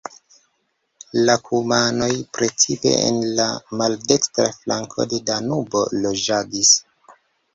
La kumanoj precipe en la maldekstra flanko de Danubo loĝadis.